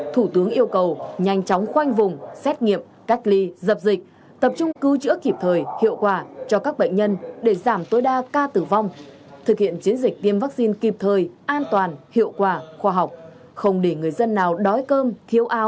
thủ tướng yêu cầu nhanh chóng khoanh vùng xét nghiệm cách ly dập dịch tập trung cứu chữa kịp thời hiệu quả cho các bệnh nhân để giảm tối đa ca tử vong thực hiện chiến dịch tiêm vaccine kịp thời an toàn hiệu quả khoa học không để người dân nào đói cơm thiếu áo